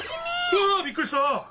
うわっびっくりした！